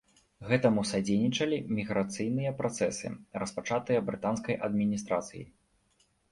Гэтаму садзейнічалі міграцыйныя працэсы, распачатыя брытанскай адміністрацыяй.